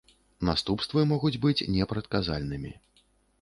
Наступствы могуць быць непрадказальнымі.